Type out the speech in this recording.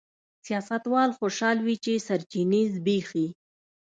سیاستوال خوشاله وي چې سرچینې زبېښي.